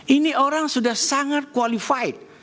ini orang sudah sangat qualified